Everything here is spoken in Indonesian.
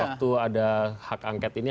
waktu ada hak angket ini